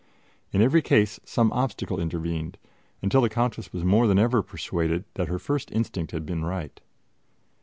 In every case some obstacle intervened, until the Countess was more than ever persuaded that her first instinct had been right.